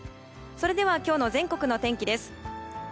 それでは今日の全国の天気です。